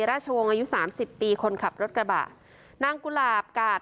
ราชวงศ์อายุสามสิบปีคนขับรถกระบะนางกุหลาบกาด